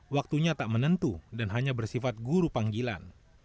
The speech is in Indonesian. waktunya tak menentu dan hanya bersifat guru panggilan